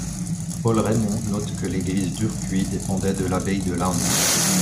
Paul Raymond note que l'église d'Urcuit dépendait de l'abbaye de Lahonce.